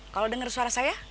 kalau denger suara saya